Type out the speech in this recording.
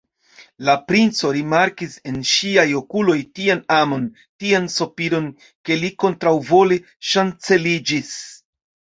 La princo rimarkis en ŝiaj okuloj tian amon, tian sopiron, ke li kontraŭvole ŝanceliĝis.